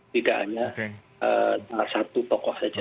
tidak hanya satu tokoh saja